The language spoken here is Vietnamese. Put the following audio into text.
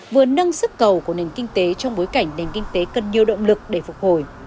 vừa nâng sức cầu của nền kinh tế trong bối cảnh nền kinh tế cần nhiều động lực để phục hồi